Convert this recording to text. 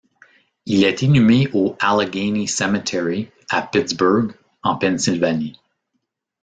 Il est inhumé au Allegheny Cemetery à Pittsburgh en Pennsylvanie.